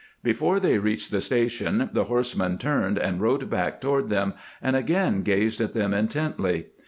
Before they reached the station the horse man turned and rode back toward them, and again gazed at them intently.